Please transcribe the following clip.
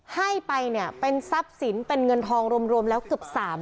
ให้ไปเนี่ยเป็นทรัพย์สินเป็นเงินทองรวมแล้วเกือบ๓๐๐๐